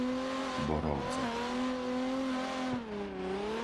Borovce